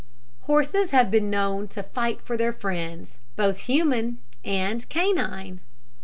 Horses have been known to fight for their friends, both human and canine.